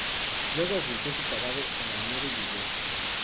Luego ocultó su cadáver en la nieve y huyó.